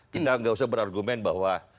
kita nggak usah berargumen bahwa